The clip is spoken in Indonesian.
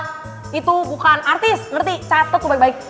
michelle itu bukan artis ngerti catet tuh baik baik